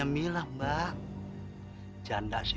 mas makan dulu yuk